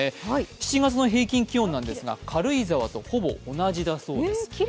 ７月の平均気温なんですが軽井沢とほぼ同じだそうです。